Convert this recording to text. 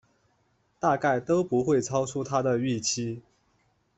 大概都不会超出他的预期